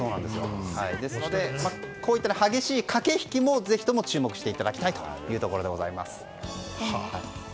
ですので、こういった激しい駆け引きも、ぜひとも注目していただきたいところです。